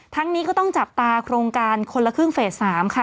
นี้ก็ต้องจับตาโครงการคนละครึ่งเฟส๓ค่ะ